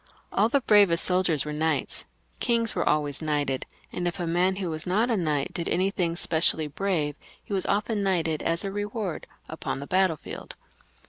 All the bravest soldiers were knights, kings were always knighted, and if a man who was not a knight did anything specially brave, he was often knighted, as a reward, upon the battlefield.